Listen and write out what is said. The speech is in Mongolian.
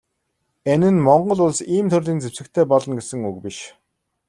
Энэ нь Монгол Улс ийм төрлийн зэвсэгтэй болно гэсэн үг биш.